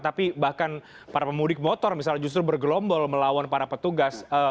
tapi bahkan para pemudik motor misalnya justru bergelombol melawan para petugas